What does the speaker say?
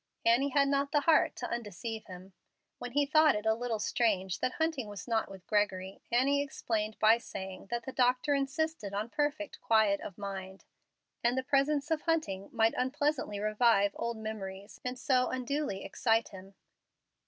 Annie had not the heart to undeceive him. When he thought it a little strange that Hunting was not with Gregory, Annie explained by saying that the doctor insisted on perfect quiet of mind, and the presence of Hunting might unpleasantly revive old memories, and so unduly excite him.